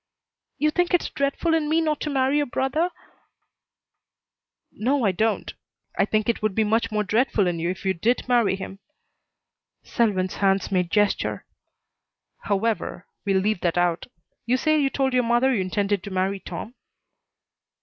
"You think it's dreadful in me not to marry your brother " "No, I don't. I think it would be much more dreadful in you if you did marry him." Selwyn's hands made gesture. "However, we'll leave that out. You say you told your mother you intended to marry Tom?"